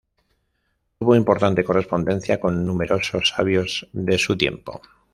Tuvo importante correspondencia con numeroso sabios de su tiempo.